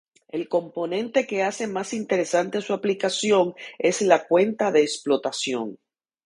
El componente que hace más interesante su aplicación es la cuenta de explotación.